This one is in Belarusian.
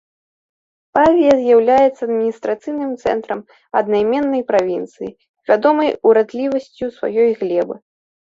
Павія з'яўляецца адміністрацыйным цэнтрам аднайменнай правінцыі, вядомай урадлівасцю сваёй глебы.